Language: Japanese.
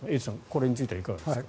これについてはいかがですか。